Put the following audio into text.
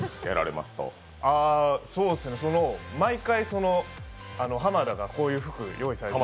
毎回浜田がこういう服を用意されて。